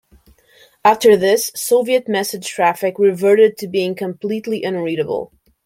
After this, Soviet message traffic reverted to being completely unreadable.